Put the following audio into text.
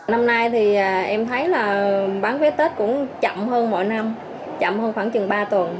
năm nay thì em thấy là bán vé tết cũng chậm hơn mỗi năm chậm hơn khoảng chừng ba tuần